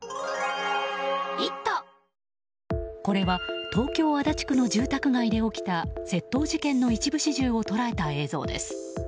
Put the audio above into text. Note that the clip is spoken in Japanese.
これは東京・足立区の住宅街で起きた窃盗事件の一部始終を捉えた映像です。